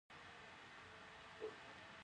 طلا د افغانستان د موسم د بدلون سبب کېږي.